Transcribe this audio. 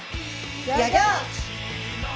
ギョギョ！